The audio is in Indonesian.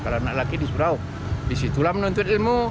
kalau anak laki di surau disitulah menuntut ilmu